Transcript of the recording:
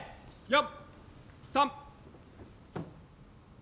４、３。